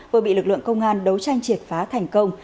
vừa bị lực lượng công an đấu tranh triệt phá thành công